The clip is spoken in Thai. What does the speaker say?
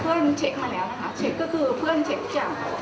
เพื่อนเช็คมาแล้วนะคะเช็คก็คือเพื่อนเช็คจาก